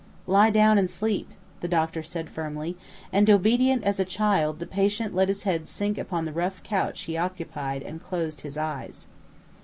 "Lie down and sleep," the doctor said firmly; and, obedient as a child, the patient let his head sink upon the rough couch he occupied and closed his eyes.